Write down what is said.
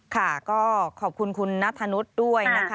อ๋อค่ะก็ขอบคุณคุณณฑนนุษย์ด้วย